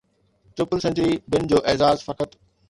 triple century بن جو اعزاز فقط